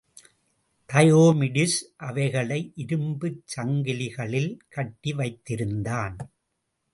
Diomedes அவைகளை இருப்புச் சங்கிலிகளில் கட்டி வைத்திருந்தான்.